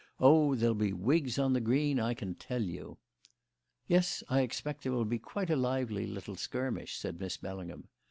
Oh, there'll be wigs on the green, I can tell you." "Yes, I expect there will be quite a lively little skirmish," said Miss Bellingham.